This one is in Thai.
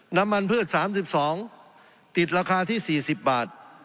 น้ำมันพืช๓๒บาทติดราคาที่๔๐บาท